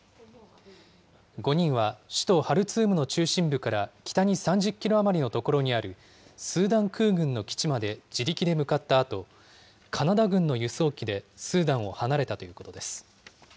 ５人は首都ハルツームの中心部から北に３０キロ余りの所にある、スーダン空軍の基地まで自力で向かったあと、カナダ軍の輸送機でスーダンを離れたということです。